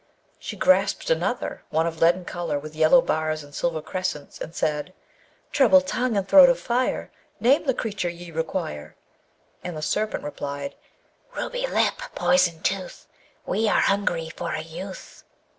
She grasped another, one of leaden colour, with yellow bars and silver crescents, and cried: Treble tongue and throat of fire, Name the creature ye require! And the Serpent replied: Ruby lip! poison tooth! We are hungry for a youth.